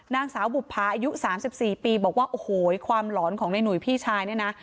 นางสาวบุภาอายุ๓๔ปีบอกว่าโอ้โหความหลอนของในหนุ่ยพี่ชายเนี่ยนะ